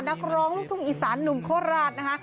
นักร้องลูกทุ่งอีสานหนุ่มโคราชนะคะ